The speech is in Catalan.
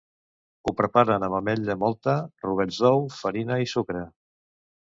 Ho preparen amb ametlla mòlta, rovells d’ou, farina i sucre.